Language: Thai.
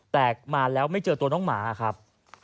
แต่มาแล้วไม่เจอตัวน้องหมาครับ